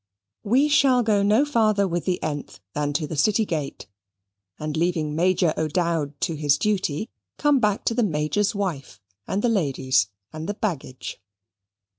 We shall go no farther with the th than to the city gate: and leaving Major O'Dowd to his duty, come back to the Major's wife, and the ladies and the baggage.